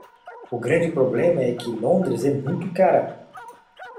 O grande problema é que Londres é muito cara.